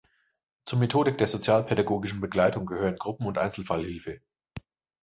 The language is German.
Zur Methodik der sozialpädagogischen Begleitung gehören Gruppen- und Einzelfallhilfe.